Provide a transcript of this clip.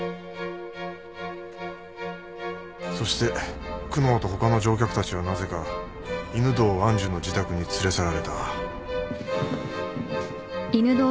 そして久能と他の乗客たちはなぜか犬堂愛珠の自宅に連れ去られた。